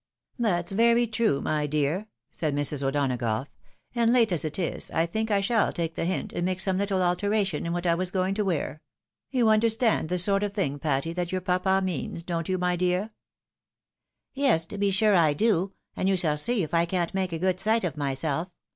" That's very true, my dear," said Mrs. O'Donagough, " and late as it is, I think I shall take the hint, and make some little alteration in what I was going to wear. You understand the sort of thing, Patty, that your papa means, don't you, my dear ?"" Yes, to be sure I do, and you shall see if I can't make a good sight of myself